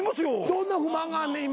どんな不満があんねん今。